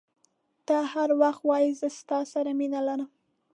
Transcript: ته هر وخت وایي زه ستا سره مینه لرم.